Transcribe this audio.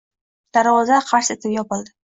Darvoza qars etib yopildi